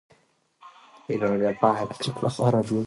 که ښځه عاید ولري، نو پر مالي فشار قابو مومي.